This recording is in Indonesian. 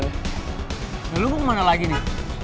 kirim disini banyak laki laki ini